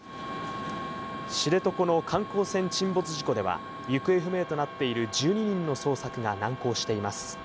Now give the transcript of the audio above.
知床の観光船沈没事故では行方不明となっている１２人の捜索が難航しています。